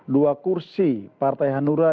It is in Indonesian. dua kursi partai hanura